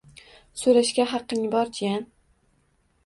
So‘rashga haqqing bor jiyan!